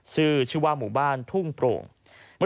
ชื่อชื่อว่าหมู่บ้านทุ่งปลูก